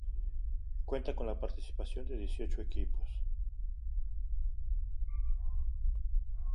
Cuenta con la participación de dieciocho equipos.